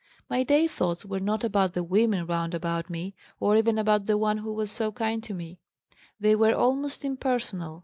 My daythoughts were not about the women round about me, or even about the one who was so kind to me; they were almost impersonal.